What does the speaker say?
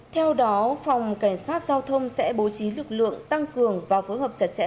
theo đó phòng cảnh sát giao thông sẽ bố trí lực lượng tăng cường và phối hợp chặt chẽ